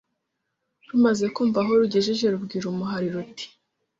Rumaze kumva aho rugejeje, rubwira umuhari ruti